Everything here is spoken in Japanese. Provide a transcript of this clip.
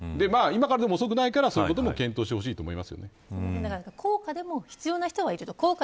今からでも遅くないからそういうことも検討してほしい高価でも必要な人はいる。